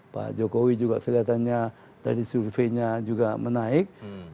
pak jokowi juga kelihatannya dari surveinya juga menaik